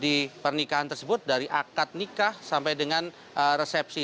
dan pernikahan tersebut dari akad nikah sampai dengan resepsi